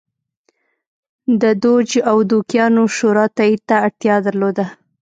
د دوج او دوکیانو شورا تایید ته اړتیا درلوده